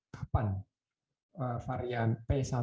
kapan varian p satu